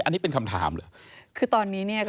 อันนี้เป็นคำถามเหรอ